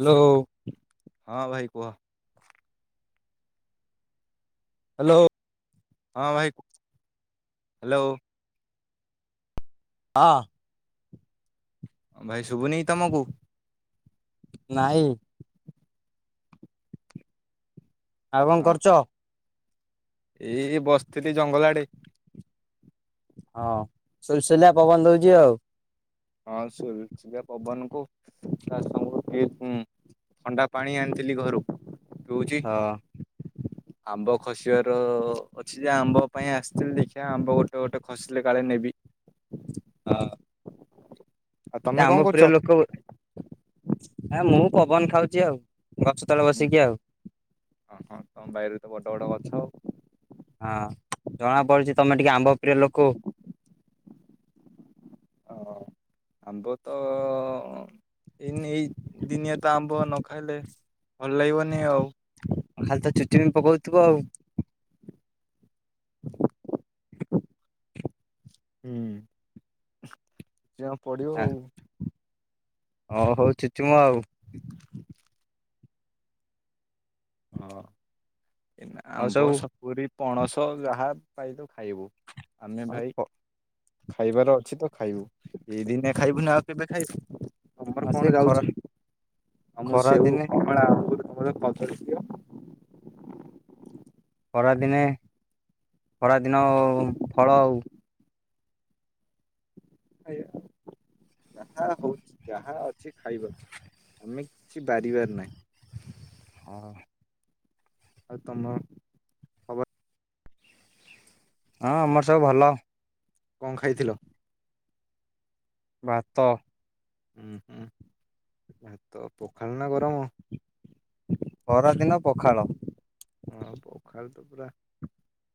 Hello. ହଁ ଭାଇ କୁହ? ହାଲୋ। ହଁ ଭାଇ ହାଲୋ। ହଁ। [unintelligible] ଶୁବୁନି କି ତମକୁ? ନାଇଁ। ଆଉ କଣ ହଁ ହଁ କରୁଚ? ଏଇ ବସଥିଲି ଜଙ୍ଗଲ ଆଡେ। ହଁ ସୁଲୁସୁଲିଆ ପବନ ଦଉଚି ଆଉ। ହଁ ସୁଲୁ ସୁଲିଆ ପବନ କୁ ତା ସାଙ୍ଗୁ ଟିକେ ଥଣ୍ଡା ପାଣି ଆଣିଥିଲି ଘରୁ ପିଉଚି। ହଁ ଆମ୍ବ ଖସିବାର ଅଛି ଯେ ଆମ୍ବ ପାଇଁ ଆସିଥିଲି। ଆମ୍ବ ଗୋଟେ ଗୋଟେ ଖସିଲେ କାଳେ ନେ ହଁ। ଆଉ ଏ ତମେ କଣ ଆମ୍ବ କରୁଛ? ପ୍ରିୟ ଲୋକ ଆ ମୁଁ ପବନ ଖାଉଚି ଆଉ। ଗଛ ତଳେ ବସିକି ଆଉ। ଓହ ତମ ବାଇରେ ତ ବଡ ବଡ ଗଛ। ହଁ ଜଣାପଡୁଚି ତମେ ଟିକେ ଆମ୍ବ ପ୍ରିୟ ଲୋକ। ହ ଆମ୍ବ ତ ଏଇନେ ଏଇ ଦିନିଆ ତ ଆମ୍ବ ନ ଖାଇଲେ ଭଲ ଲାଗିବନି ଆଉ। ଖାଲି ତା [unintelligible] ପକଉଥିବ ଆଉ। [inaudible] ହୁଁ। ପଡ଼ିବ ଆଉ। ଓ ହଉ ଚୁଚୁମ ଆଉ। ହଁ। [inaudible] ଏଇନା ଆଉ ଆମ୍ବ ସବୁ ସପୁରି ପଣସ ଯାହା ପାଇଲୁ ଖାଇବୁ। ଆମେ ଭାଇ ଆଉ ଖାଇବାର ଅଛି ତ ଖାଇବୁ। ଏଇ ଦିନେ ଖାଇବୁ ନା ଆଉ କେବେ ଖାଇବୁ, ତମର କଣ ସେ ଖରା ଯାଉଛି। ଆଉ ମୁଁ ଖରା ସେଉ, ଦିନେ କମଳା, ଅଙ୍ଗୁର ତମର କଦଳୀ। ଦିଅ ଖରାଦିନେ ଖରାଦିନ ଫଳ ଆଉ। ଆଜ୍ଞା, ଯାହା ହଉଛି ଯାହା ଅଛି ଖାଇବାକୁ, ଆମେ କିଛି ବାରିବାର ନାହିଁ। ହଁ। ଆଉ ତମ ଖବର ହଁ ଆମର ସବୁ ଭଲ। କଣ ଖାଇଥିଲ? ଭାତ। ହୁଁ ହୁଁ ଭାତ ପଖାଳ ନା ଗରମ? ଖରାଦିନ ପଖାଳ। ହଁ ପଖାଳ ପୁରା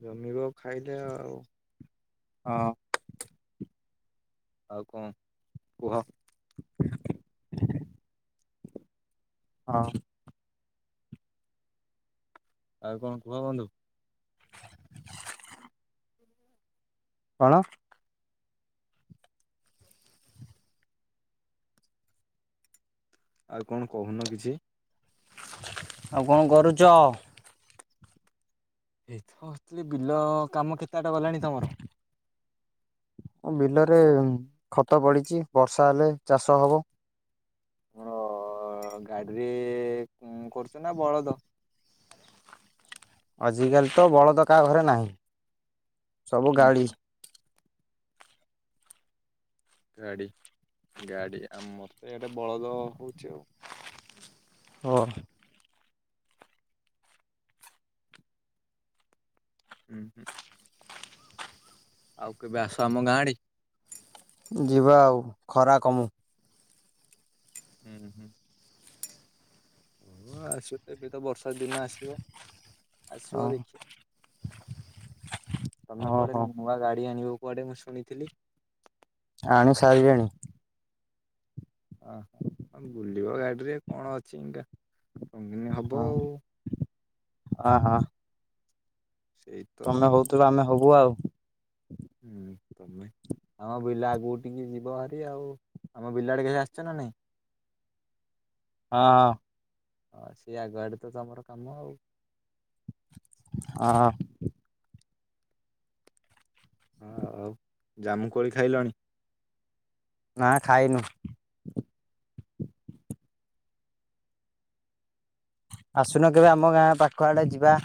ଜମିବ ଖାଇଲେ ଆଉ। ହଁ ଆଉ କଣ କୁହ? ହଁ। ଆଉ କଣ କୁହ ବନ୍ଧୁ? କଣ? ଆଉ କଣ କହୁନ କିଛି! ଆଉ କଣ କରୁଚ? ଏଇ ତ ବସଥିଲି ବିଲ କାମ କେତେ ବାଟ ଗଲାଣି ତମର? ବିଲରେ ଖତ ପଡ଼ି, ବର୍ଷା ହେଲେ ଚାଷ ହବ। ଆମର ଗାଡିରେ କରୁଛ ନା ବଳଦ? ଆଜିକାଲି ତ ବଳଦ କା ଘରେ ନାହିଁ। ସବୁ ଗାଡି। ଗାଡି, ଗାଡି ଆମର ତ ଏଇଟେ ବଳଦ ହଉଛି ଆଉ। ହ। ହୁଁ ହୁଁ। ଆଉ କେବେ ଆସ ଆମ ଗାଁ ଆଡେ। ଯିବା ଆଉ, ଖରା କମୁ। ହୁଁ ହୁଁ। ଓ ଆସିବ ତ ଏବେ ତ ବର୍ଷା ଦିନ ଆସିବ। ଆସିବ ହଁ ଦେଖିବ ତମେ କୁଆଡେ ଓହୋ ନୂଆ ଗାଡ଼ି ଆଣିିବ କୁଆଡେ ମୁଁ ଶୁଣିଥିଲି। ଆଣି ସାରିଲିଣି। ହଁ ହଁ [unintelligible] ଥିବ ଗାଡିରେ କଣ ଅଛି ଇଟା। ପନ୍ଦର ଦିନ ହଁ ହବ ଆଉ। ଅ ହୋ। ସେଇ ତ ତମେ ହଉଥିଲ ଆମେ ହବୁ ଆଉ ବିଲ ଆଗକୁ ଟିକେ ଯିବ ଭାରି ଆଉ ଆମ ବିଲା ଆଡ଼େ କେବେ ଆସିଛ ନା ନାଇଁ? ହଁ। ହଁ ସେ ଆଗ ଆଡ଼େ ତ ତମର କାମ ଆଉ- ହଁ। ହଁ ଆଉ ଜାମୁକୋଳି ଖାଇଲଣି? ନାଁ ଖାଇନୁ। ଆସୁନ କେବେ ଆମ ଗାଁ ପାଖ ଆଡ଼େ ଯିବା।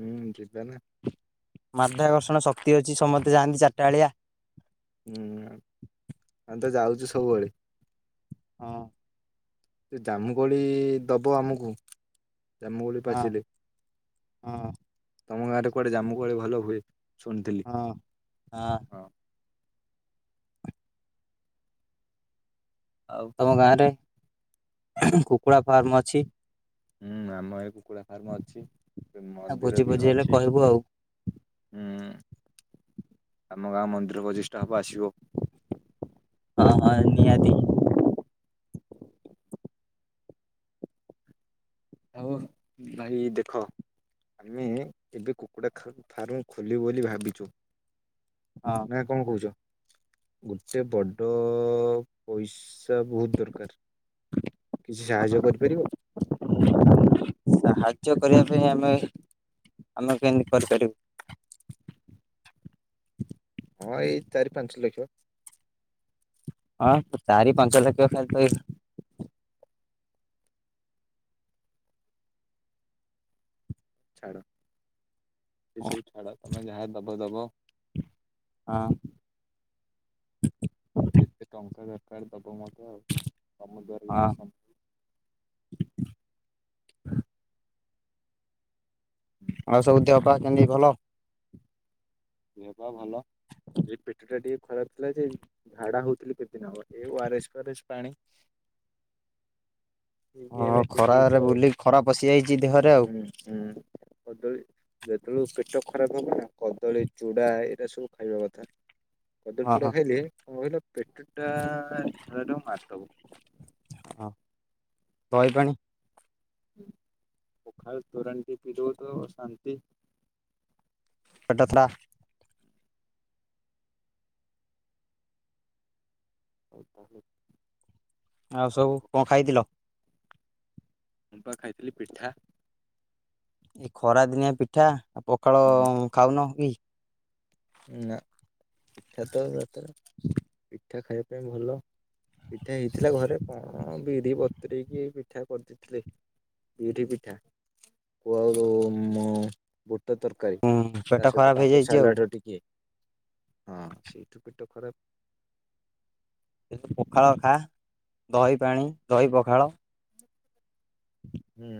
ହୁଁ ଯିବା ନା। ମାଧ୍ୟଆକର୍ଷଣ ଶକ୍ତି ଅଛି ସମସ୍ତେ ଯାଆନ୍ତି ଚାରିଟା ବେଳିଆ। ହୁଁ ଆମେ ତ ଯାଉଛୁ ସବୁବେଳେ। ହଁ। ଜାମୁକୋଳି ଦବ ଆମକୁ। ଜାମୁକୋଳି ହଁ ପାଚିଲେ ହଁ ତମ ଗାଁରେ କୁଆଡ଼େ ଜାମୁକୋଳି ଭଲ ହୁଏ। ଶୁଣିଥିଲି ହଁ ହଁ। ଆଉ ତମ ଗାଁ ରେ କୁକୁଡ଼ା ଫାର୍ମ ଅଛି। ହୁଁ ଆମ ଏ କୁକୁଡ଼ା ଫାର୍ମ ଅଛି। ଆଉ ମନ୍ଦିର ଭୋଜି ବି ଭୋଜି ହେଲେ ଅଛି କହିବୁ ଆଉ ହୁଁ। ଆମ ଗାଁ ମନ୍ଦିର ପ୍ରଜିଷ୍ଠା ହବ ଆସିବ। ହଁ ହଁ ନିହାତି। ଆଉ ଭାଇ ଦେଖ ଆମେ ଏବେ କୁକୁଡ଼ା ଫାର୍ମ ଖୋଲିବୁ ବୋଲି ଭାବିଛୁ। ହଁ ନାଁ କଣ କହୁଛ। ଗୋଟେ ବଡ଼ ପଇସା ବହୁତ୍ ଦରକାର କିଛି ହଁ ସାହାଯ୍ୟ କରିପାରିବ? କାର୍ଯ୍ୟ କରିବା ପାଇଁ ଆମେ ଆମେ କେମିତି କରିପାରିବୁ। ହଁ ଏଇ ଚାରି ପାଞ୍ଚ ଲକ୍ଷ। ହଁ ଚାରି ପାଞ୍ଚ ଲକ୍ଷ [unintelligible] ଛାଡ଼। ହଁ ସେ ଛାଡ଼ ତମେ ଯାହା ଦବ ଦବ। ହଁ। ଯେତେ ଟଙ୍କା ଦରକାର ଦବ ମତେ ତମ ଦ୍ୱାରା ଯେତିକି ସମ୍ଭବ। ଆଉ ସବୁ ତିକ କପା କେନ୍ଦି ଭଲ। ଦେହ ପା ଭଲ ଏ ପେଟ ଟା ଟିକେ ଖରାପ ଥିଲା ଯେ ଝାଡ଼ା ହଉଥିଲି କେତେଦିନ ହେବ ଏ ୱରେସ୍ ଫାରେସ୍ ପାଣି ଠିକ୍ ହଁ ଏବେ ଠିକ୍ ଖରାରେ ହେଇଛି ଆଉ ବୁଲି ଖରା ପଶି ଯାଇଛି ଦେହରେ ଆଉ ହଁ ହୁଁ। [unintelligible] ପେଟ ଖରାପ ହବ ନା କଦଳୀ ଚୁଡ଼ା ଏଇଟା ସବୁ ଖାଇବା କଥା। କଦଳୀ ହଁ ଚୁଡ଼ା ହଁ ଖାଇଲେ କଣ କହିଲ ପେଟ ଟା [unintelligible] ହ ଦହି ପାଣି। ପଖାଳ ତୋରାଣି ଟିକେ ପିଇ ଦବ କି ଶାନ୍ତି। [unintelligible] ଆଉ ତାହେଲେ। ଆଉ ସବୁ କୁହ କଣ ଖାଇଥିଲ? ମୁଁ ବା ଖାଇଥିଲି ପିଠା। ଏଇ ଖରା ଦିନିଆ ପିଠା ଆଉ ପଖାଳ ହୁଁ ଖାଉନ କି? ନା ପିଠା ତ ପିଠା ଖାଇବା ପାଇଁ ଭଲ ପିଠା ହେଇଥିଲା ଘରେ କଣ ବିରି ବତରେଇକି ପିଠା କରିଦେଇଥିଲେ, ବିରି ପିଠା, କୁ ଆଉ ମ ମଟର ତରକାରୀ ହୁଁ ପେଟ ତା ସହିତ ଖରାପ କାକୁଡ଼ି ହେଇଯାଇଛି ଆଉ ସାଲାଡ ଟିକେ ହଁ ସେଇଠୁ ପେଟ ଖରାପ। ଏଁ ପଖାଳ ଖା ଦହି ପାଣି, ଦହି ପଖାଳ। ହୁଁ।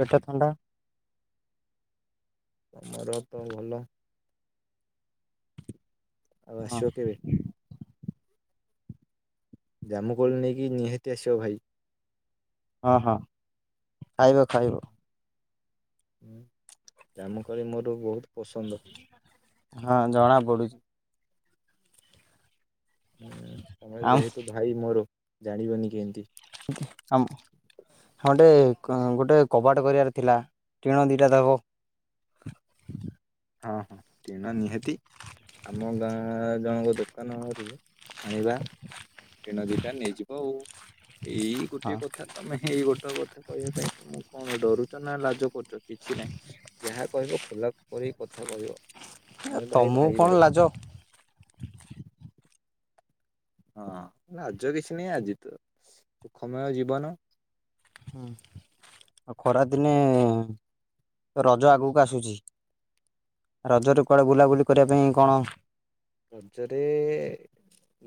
ପେଟା ଥଣ୍ଡା। ତମର ତ ଭଲ। ଆଉ ହଁ ଆସିବ କେବେ? ଜାମୁକୋଳି ନେଇକି ନିହାତି ଆସିବ ଭାଇ। ହଁ ହଁ ଖାଇବ, ଖାଇବ। ହଁ ଜାମୁକୋଳି ମୋର ବହୁତ ପସନ୍ଦ। ହଁ ଜଣା ପଡୁଛି। ହୁଁ ତମେ ଆମ ଯେହେତୁ ଭାଇ ମୋର। ଜାଣିବନି କେମିତି। ଆମ ହଁ। ଗୋଟେ ଗୋଟେ କବାଟ କରିବାର ଥିଲା ଟିଣ ଦିଟା ଦେବ। ହଁ ହଁ ଟିଣ ନିହାତି ଆମ ଗାଁ ଜଣଙ୍କ ଦୋକାନରୁ ଆଣିବା ଟିଣ ଦିଟା ନେଇଯିବ ଆଉ। ଏଇ ହଁ ଗୋଟେ କଥା ତମେ ଏଇ ଗୋଟେ ଟ କଥା କହିବା ପାଇଁ ତମକୁ କଣ ଡରୁଛ ନା ଲାଜ କରୁଛ। କିଛି ନାହିଁ। ଯାହା କହିବ ଖୋଲା ପରି କଥା କହିବ। ତମକୁ ଭାଇ। କଣ ଲାଜ। ହଁ ଲାଜ କିଛି ନାହିଁ ଆଜି ତ ସୁଖମୟ ଜୀବନ। ହୁଁ ଆଉ ଖରାଦିନେ ରଜ ଆଗକୁ ଆସୁଛି ରଜରେ କୁଆଡେ ବୁଲାବୁଲି କରିବା ପାଇଁ କଣ? ରଜରେ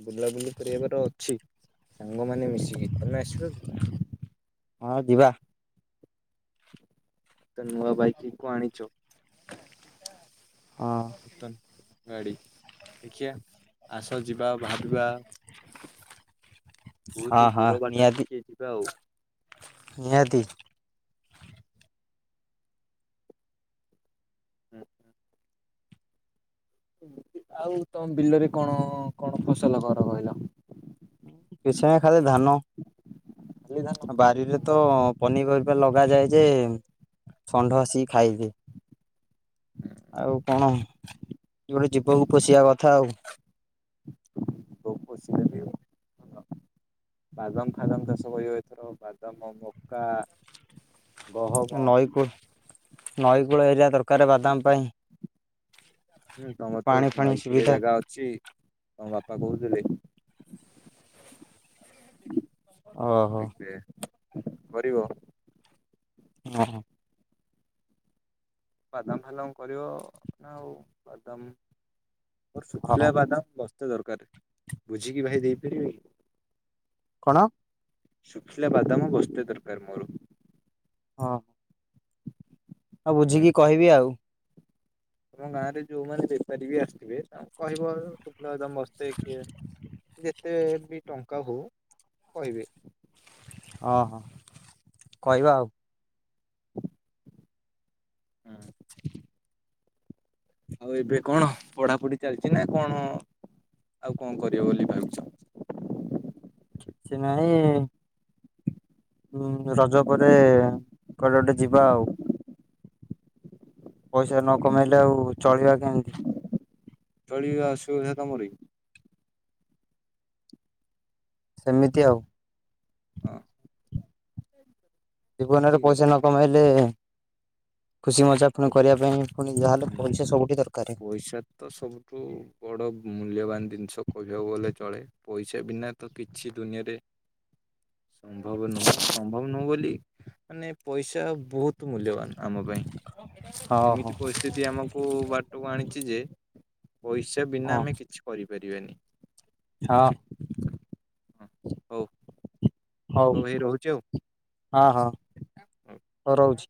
ବୁଲାବୁଲି କରିବାର ଅଛି। ସାଙ୍ଗମାନେ ମିଶିକି ତମେ ଆସିବ କି? ହଁ ଯିବା। ତ ନୂଆ ବାଇକ କଣ ଆଣିଛ। ହଁ। ନୂତନ ଗାଡି ଦେଖିିବା ଆସ ଯିବା ଭାବିବା। ହଁ ବହୁତ ହଁ ଦୂର ବାଟ ନିହାତିି ଟିକେ ଯିବା ଆଉ। ନିହାତିି। ହୁଁ। ଆଉ ତମ ବିଲରେ କଣ କଣ ଫସଲ କର କହିଲ? କିଛି ନା ଧାନ ଖାଲି ଧାନ? ବାରିରେ ତ ପନିପରିବା ଲଗାଯାଏ ଯେ ଷଣ୍ଢ ଆସି ଖାଇଦିଏ। ଆଉ କଣ? ଗୋଟେ ଜୀବକୁ ପୋଷିବା କଥା ଆଉ। [unintelligible] ବାଦମ ଫାଦମ ଚାଷ ହୋଇିବ ଏଥର ବାଦମ ଆଉ ମକା। ଗହମ। ନଈ କୂଳ ନଈ କୂଳ ଏରିଆ ଦରକାର ବାଦାମ ପାଇଁ ହୁଁ ତମର ତ ପାଣି ଫାଣି ନଈ କୁଳିଆ ସୁବିଧା ଜାଗା ଅଛି ତମ ବା ବାପା କଉଥିଲେ। ଓହୋ। କରିବ। [unintelligible] ବାଦାମ ଫାଦାମ୍ କରିବ ନା ଆଉ ବାଦାମ ସୁୁଖିଲା ଓହୋ ବାଦାମ ଦରକାର ବୁଝିକି ଭାଇ ଦେଇପାରିବେ। କଣ? ଶୁଖିଲା ବାଦାମ ବସ୍ତେ ଦରକାର ମୋର। ହଁ। ହଉ ବୁଝିକି କହିବି ଆଉ। ଆମ ଗାଁ ରେ ଯୋଉମାନେ ବେପାରୀ ବି ଆସିଥିବେ ତାଙ୍କୁ କହିବ ଲା ବାଦାମ ବସ୍ତେ [unintelligible] କେତେ ବି ଟଙ୍କା ହଉ କହିବେ। ଓଁ ହଁ କହିବା ଆଉ। ହୁଁ। ଆଉ ଏବେ କଣ ପଢାପୁଢି ଚାଲିଚି ନା କଣ ଆଉ କଣ କରିବ ବୋଲି ଭାବିଚ? କିଛି ନାହିଁ। ହଁ ରଜ ପରେ କୁଆଡେ ଗୋଟେ ଯିବା ଆଉ ପଇସା ନ କମେଇଲେ ଆଉ ଚଳିବା କେମିତି? ଚଳିବା ଅସୁବିଧା ତମରି କି? ସେମିତି ଆଉ। ହଁ। ଜୀବନରେ ଠିକ ଅଛି ପଇସା ନ କମେଇଲେ ଖୁସି ମଜା ପୁଣି କରିବା ପାଇଁ ପୁଣି ଯାହାହେଲେ ହୁଁ ପଇସା ସବୁଠି ଦରକାର। ପଇସା ତ ସବୁଠୁ ବଡ ମୂଲ୍ୟବାନ ଜିନିଷ କହିବାକୁ ଗଲେ ଚଳେ। ପଇସା ବିନା ତ କିଛି ଦୁନିଆରେ ସମ୍ଭବ ନୁହଁ ସମ୍ଭବ ନୁହଁ ବୋଲି ମାନେ ପଇସା ବହୁତ ମୂଲ୍ୟବାନ ଆମ ପାଇଁ। ହଁ ହୋ। ଏମିତି ପରିସ୍ଥିତି ଆମକୁ ବାଟକୁ ଆଣିଛି ଯେ ପଇସା ହଁ ବିନା ଆମେ କିଛି କରିବୁ ଜିବନି। ହଁ। ହ ହଉ। ହଉ ଭାଇ ରହୁଛି ହ ହଁ ଆଉ। ରହୁଛି।